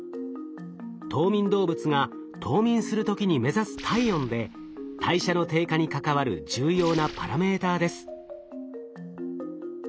冬眠動物が冬眠する時に目指す体温で代謝の低下に関わる重要なパラメーターです。